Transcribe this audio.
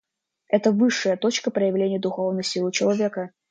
Это высшая точка проявления духовной силы человека.